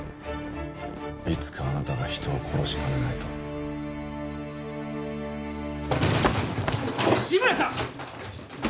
いつかあなたが人を殺しかねないと志村さん！